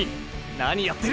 何やってる！！